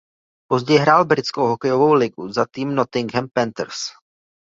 Později hrál Britskou hokejovou ligu za tým Nottingham Panthers.